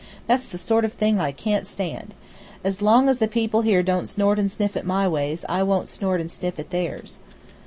That's the sort of thing I can't stand. As long as the people here don't snort and sniff at my ways I won't snort and sniff at theirs."